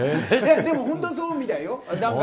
でも、本当にそうみたいよ。